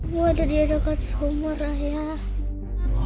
mau ada dia dekat summer ayah